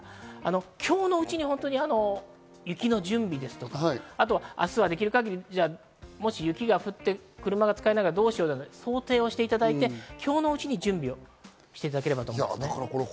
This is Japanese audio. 今日のうちに本当に雪の準備ですとか、明日はできる限り、雪が降って車が使えないからどうしようと想定をしていただいて、今日のうちに準備をしていただければと思います。